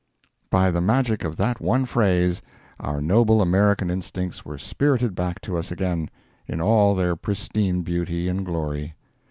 By the magic of that one phrase, our noble American instincts were spirited back to us again, in all their pristine beauty and glory.